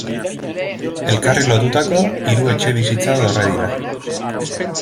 Elkarri lotutako hiru etxebizitza dorre dira.